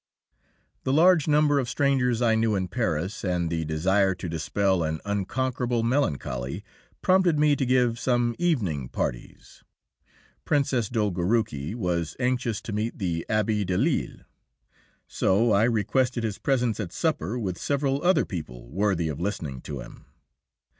The large number of strangers I knew in Paris, and the desire to dispel an unconquerable melancholy, prompted me to give some evening parties. Princess Dolgoruki was anxious to meet the Abbé Delille. So I requested his presence at supper with several other people worthy of listening to him.